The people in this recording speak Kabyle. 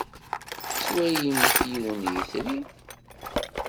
Tettwalimt yiwen n yitri?